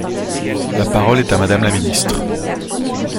La parole est à Madame la ministre.